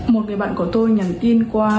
một người bạn của tôi nhận tin qua